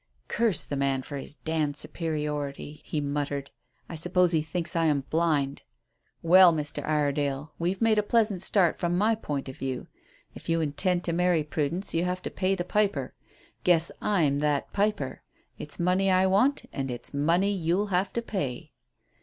"Curse the man for his d d superiority," he muttered. "I suppose he thinks I am blind. Well, Mr. Iredale, we've made a pleasant start from my point of view. If you intend to marry Prudence you'll have to pay the piper. Guess I'm that piper. It's money I want, and it's money you'll have to pay."